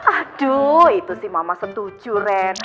aduh itu sih mama setuju ren